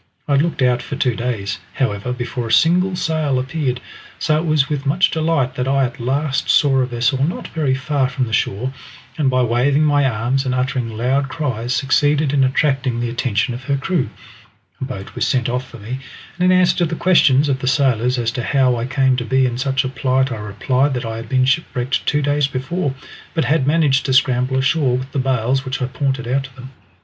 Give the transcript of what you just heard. I had looked out for two days, however, before a single sail appeared, so it was with much delight that I at last saw a vessel not very far from the shore, and by waving my arms and uttering loud cries succeeded in attracting the attention of her crew. A boat was sent off to me, and in answer to the questions of the sailors as to how I came to be in such a plight, I replied that I had been shipwrecked two days before, but had managed to scramble ashore with the bales which I pointed out to them.